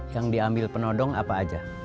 yang diambil penodong apa aja